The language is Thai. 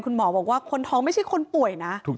คุณหมอบอกว่าคนท้องไม่ใช่คนป่วยนะ